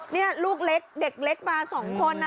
นี่ลูกเล็กเด็กเล็กมา๒คนนะ